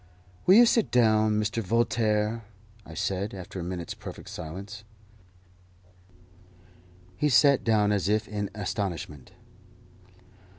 "Will you sit down, Mr. Voltaire?" I said, after a minute's perfect silence. He sat down as if in astonishment.